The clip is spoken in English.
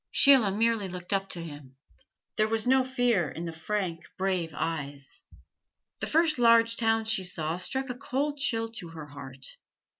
Sheila merely looked up to him; there was no fear in the frank, brave eyes. The first large town she saw struck a cold chill to her heart.